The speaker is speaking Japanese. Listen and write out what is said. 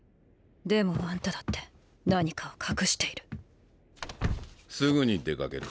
でもあんただって何かを隠しているすぐに出かける。